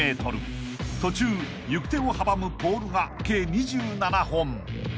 ［途中行く手を阻むポールが計２７本］